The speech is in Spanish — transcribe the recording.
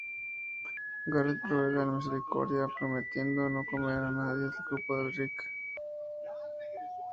Gareth ruega misericordia, prometiendo no comer a nadie del grupo de Rick.